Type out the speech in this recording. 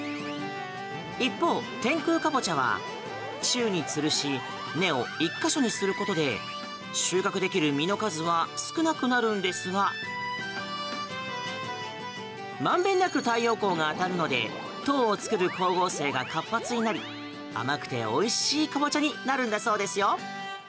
一方、天空かぼちゃは宙につるし根を１か所にすることで収穫できる実の数は少なくなるんですが満遍なく太陽光が当たるので糖を作る光合成が活発になり甘くておいしいカボチャになるんだそうですよ。